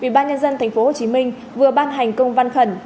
vị ban nhân dân tp hcm vừa ban hành công văn khẩn